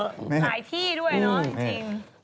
ขายที่ด้วยเนาะจริง